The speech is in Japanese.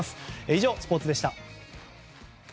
以上、スポーツでした。